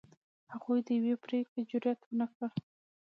هغوی د یوې پرېکړې جرئت ونه کړ.